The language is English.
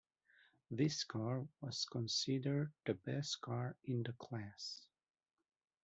This car was considered the best car in the class.